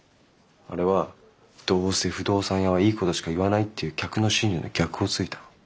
あれは「どうせ不動産屋はいいことしか言わない」っていう客の心理の逆をついたの。